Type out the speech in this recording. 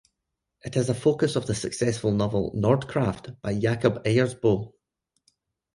It is a focus of the successful novel "Nordkraft" by Jakob Ejersbo.